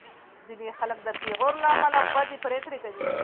ځینې خلک د پېغور له امله بدې پرېکړې کوي.